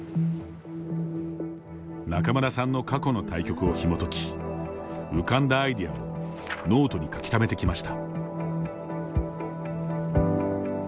仲邑さんの過去の対局をひもとき浮かんだアイデアをノートに書きためてきました。